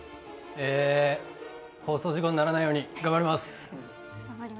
放送事故にならないように頑張ります！